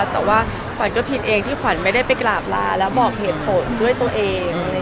แต่ว่าขวัญก็พิมพ์เองที่ขวัญไม่ได้ไปกราบลาแล้วบอกเหตุผลด้วยตัวเอง